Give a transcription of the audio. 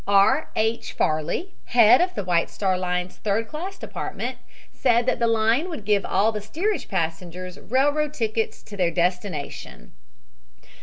R. H. Farley, head of the White Star Line's third class department, said that the line would give all the steerage passengers railroad tickets to their destination.